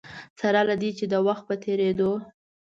سره له دې چې د وخت په تېرېدو.